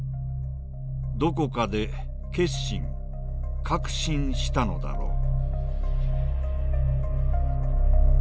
どこかで決心、確信したのだろう。